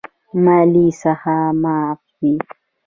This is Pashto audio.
مالیې څخه معاف وي.